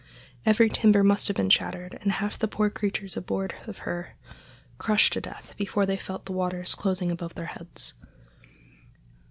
Every timber must have been shattered, and half the poor creatures aboard of her crushed to death before they felt the waters closing above their heads.